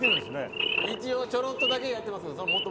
一応ちょろっとだけやってます。